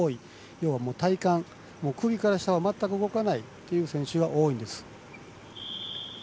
要は体幹首から下は、全く動かないという選手が多いんです。